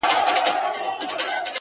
پرمختګ د ثابتو اصولو ملګری دی,